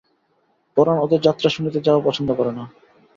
পরাণ ওদের যাত্রা শুনিতে যাওয়া পছন্দ করে না।